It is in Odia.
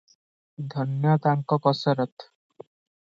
ଧନ୍ୟ ତାଙ୍କ କସରତ ।